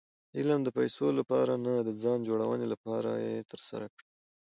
علم د پېسو له پاره نه، د ځان جوړوني له پاره ئې ترسره کړئ.